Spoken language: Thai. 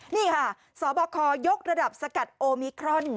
นี่ค่ะสบคยกระดับสกัดโอมิครอน